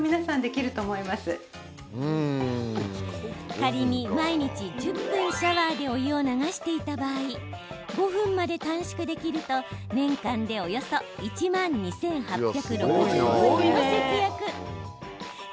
仮に毎日１０分シャワーでお湯を流していた場合５分まで短縮できると、年間でおよそ１万２８６５円の節約。